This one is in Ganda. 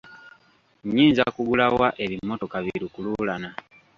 Nnyinza kugula wa ebimmotoka bi lukululana?